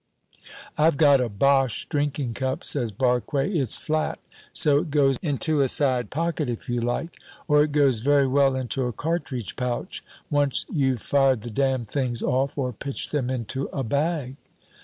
"I've got a Boche drinking cup," says Barque; "it's flat, so it goes into a side pocket if you like, or it goes very well into a cartridge pouch, once you've fired the damn things off or pitched them into a bag."